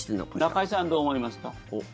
中居さんどう思いますか？